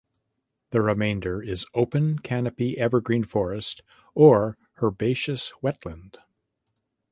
The remainder is open canopy evergreen forest or herbaceous wetland.